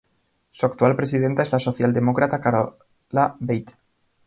Su actual presidenta es la socialdemócrata Carola Veit.